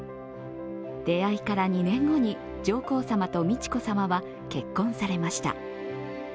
出会いから２年後に上皇さまと美智子さまは結婚されました。